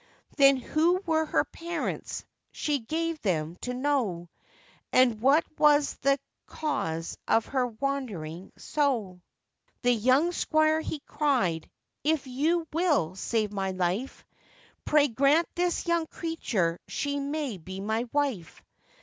Then who were her parents she gave them to know, And what was the cause of her wandering so. The young squire he cried, 'If you will save my life, Pray grant this young creature she may be my wife.